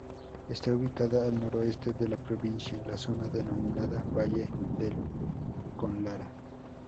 Está ubicada al noreste de la provincia, en la zona denominada Valle del Conlara.